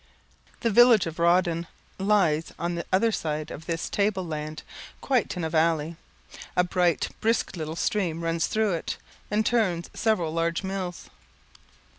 The village of Rawdon lies on the other side of this table land, quite in a valley. A bright, brisk little stream runs through it, and turns several large mills.